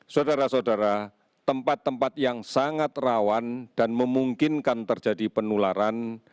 saudara saudara tempat tempat yang sangat rawan dan memungkinkan terjadi penularan